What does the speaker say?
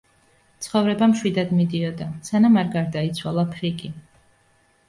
ცხოვრება მშვიდად მიდიოდა, სანამ არ გარდაიცვალა ფრიკი.